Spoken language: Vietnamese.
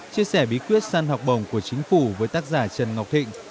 chia sẻ bí quyết săn học bồng của chính phủ với tác giả trần ngọc thịnh